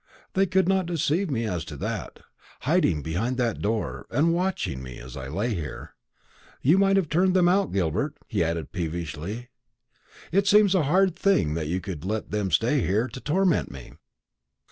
They could not deceive me as to that hiding behind that door, and watching me as I lay here. You might have turned them out, Gilbert," he added peevishly; "it seems a hard thing that you could let them stay there to torment me."